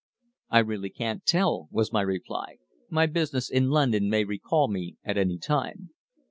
"I really can't tell," was my reply. "My business in London may recall me at any time."